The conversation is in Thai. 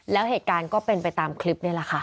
แล้วเหตุการณ์ก็เป็นไปตามคลิปนี่แหละค่ะ